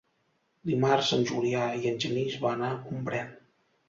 Dimarts en Julià i en Genís van a Gombrèn.